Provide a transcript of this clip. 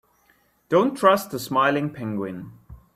Don't trust the smiling penguin.